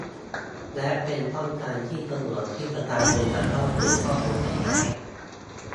และเป็นช่องทางที่สะดวกที่ประชาชนจะเข้าถึงข้อมูลได้ง่าย